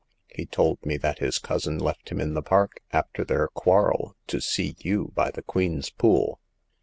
He told me that his cousin left him in the park — after their quarrel— to see you by the Queen's Pool."